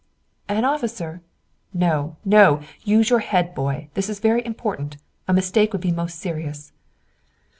"An officer?" "No, no! Use your head boy! This is very important. A mistake would be most serious."